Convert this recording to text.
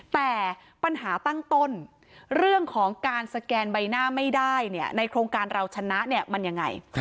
แต่ปัญหาตั้งต้นเรื่องของการสแกนใบหน้าไม่ได้ในโครงการเราชนะเนี่ยมันยังไง